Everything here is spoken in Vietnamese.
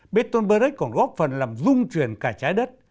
bertolt brecht còn góp phần làm dung chuyển cả trái đất